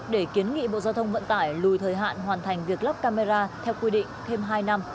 để kiến nghị bộ giao thông vận tải lùi thời hạn hoàn thành việc lắp camera theo quy định thêm hai năm